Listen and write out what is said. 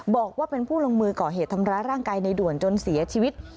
บอกว่าเป็นผู้ลงมือก่อเหตุทำร้ายร่างกายในด่วนจนเสียชีวิต